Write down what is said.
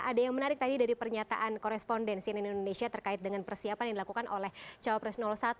ada yang menarik tadi dari pernyataan korespondensi dari indonesia terkait dengan persiapan yang dilakukan oleh cawapres satu